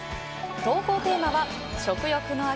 投稿テーマは食欲の秋！